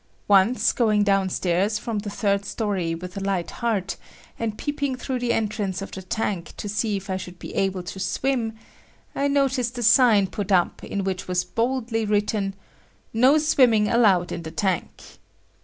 Once, going downstairs from the third story with a light heart, and peeping through the entrance of the tank to see if I should be able to swim, I noticed a sign put up in which was boldly written: "No swimming allowed in the tank."